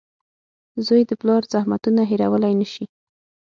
• زوی د پلار زحمتونه هېرولی نه شي.